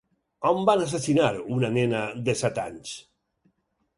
On van assassinar una nena de set anys?